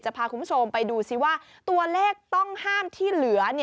พาคุณผู้ชมไปดูซิว่าตัวเลขต้องห้ามที่เหลือ